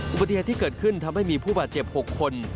อุบัติเหตุที่เกิดขึ้นทำให้มีผู้บาดเจ็บ๖คน